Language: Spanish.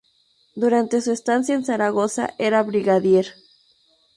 Durante su estancia en Zaragoza era Brigadier.